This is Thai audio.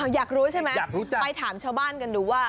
อยากรู้ใช่ไหมไปถามชาวบ้านกันดูว่า